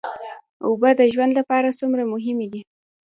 اوبه د ژوند لپاره څومره مهمې دي